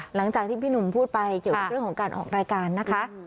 หลังจากที่พี่หนุ่มพูดไปเกี่ยวกับเรื่องของการออกรายการนะคะ